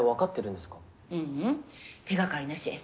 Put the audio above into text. ううん手がかりなし。